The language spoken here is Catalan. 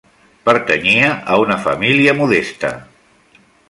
Pertanyia a una família modesta.